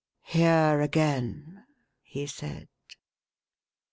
" Here again !" he said.